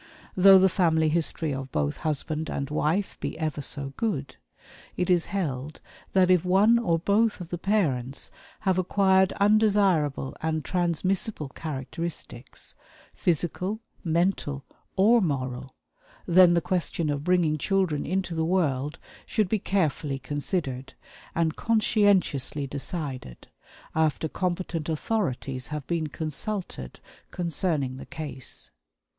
Though the family history of both husband and wife be ever so good, it is held that if one or both of the parents have acquired undesirable and transmissible characteristics, physical, mental, or moral, then the question of bringing children into the world should be carefully considered, and conscientiously decided, after competent authorities have been consulted concerning the case.